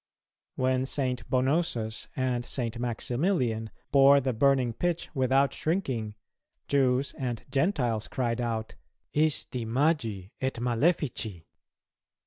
When St. Bonosus and St. Maximilian bore the burning pitch without shrinking, Jews and Gentiles cried out, Isti magi et malefici.